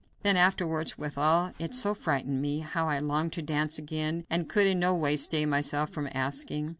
Then afterwards, withal it so frightened me, how I longed to dance again, and could in no way stay myself from asking.